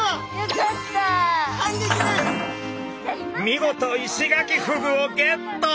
見事イシガキフグをゲット！